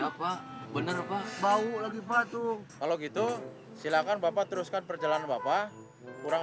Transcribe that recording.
iya pak bener pak bau lagi patung kalau gitu silahkan bapak teruskan perjalanan bapak kurang